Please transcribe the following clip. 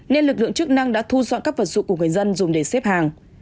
nên lực lượng chức năng đã thu dọn các vật dụng của người dân dùng để xếp hàng